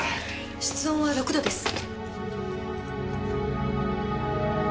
室温は６度です。